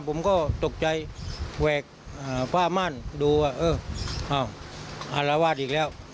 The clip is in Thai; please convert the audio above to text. ผมก็ตกใจแหวกผ้ามั่นดูว่าเอออ้าวอารวาสอีกแล้ว